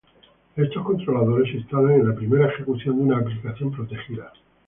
Estos controladores se instalan en la primera ejecución de una aplicación protegida.